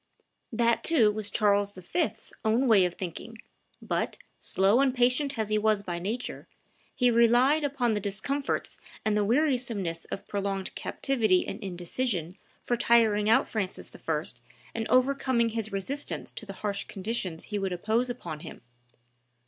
That, too, was Charles V.'s own way of thinking; but, slow and patient as he was by nature, he relied upon the discomforts and the wearisomeness of prolonged captivity and indecision for tiring out Francis I. and overcoming his resistance to the harsh conditions he would impose upon him.